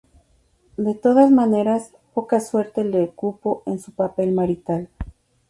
De todas maneras poca suerte le cupo en su papel marital.